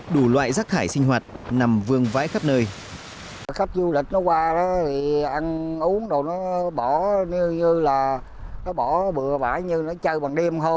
đủ loại rác thải sinh hoạt nằm vương váy khắp nơi